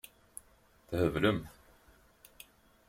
Theblemt.